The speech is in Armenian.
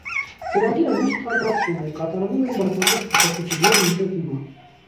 Ծրագիրը միշտ թարմացվում է, կատարվում են բազմաթիվ փոփոխություններ մինչև հիմա։